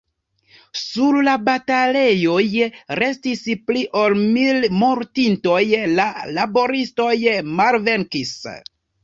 Sur la batalejoj restis pli ol mil mortintoj; la laboristoj malvenkis.